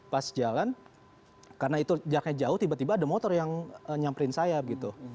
pas jalan karena itu jaraknya jauh tiba tiba ada motor yang nyamperin saya gitu